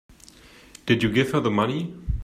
Did you give her the money?